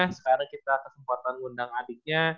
sekarang kita kesempatan ngundang adiknya